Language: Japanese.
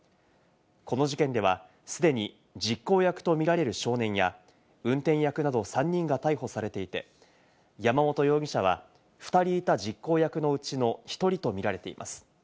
この事件では、既に実行役とみられる少年や運転役など３人が逮捕されていて、山本容疑者は２人いた実行役のうちの１人と見られています。